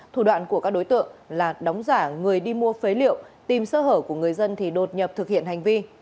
thủ đoạn của các đối tượng là đóng giả người đi mua phế liệu tìm sơ hở của người dân thì đột nhập thực hiện hành vi